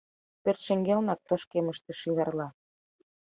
Пӧрт шеҥгелнак, тошкемыште, шӱгарла.